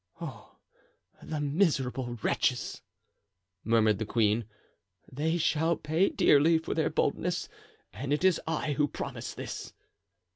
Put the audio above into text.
"Oh, the miserable wretches!" murmured the queen, "they shall pay dearly for their boldness, and it is I who promise this."